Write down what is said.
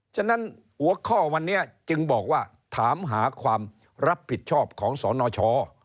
ฉะนั้นหัวข้อวันนี้จึงบอกว่าถามหาความรับผิดชอบของสนช